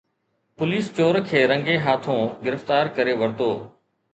police چور کي رنگي ہاتھوں گرفتار ڪري ورتو